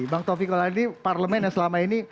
bang taufiq kulhadi parlemen yang selama ini